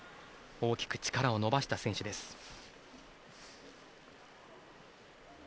大きく力を伸ばした選手です。